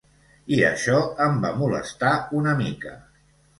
I això em va molestar una mica.